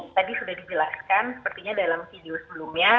tadi sudah dijelaskan sepertinya dalam video sebelumnya